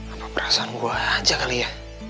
apa perasaan gue aja kali ya